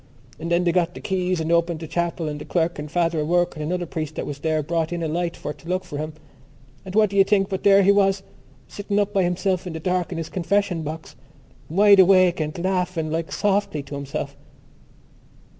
So then they got the keys and opened the chapel and the clerk and Father O'Rourke and another priest that was there brought in a light for to look for him.... And what do you think but there he was, sitting up by himself in the dark in his confession box, wide awake and laughing like softly to himself?"